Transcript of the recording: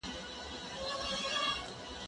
ليکنه وکړه؟!